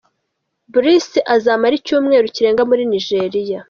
Bruce azamara icyumweru kirenga muri Nigeria.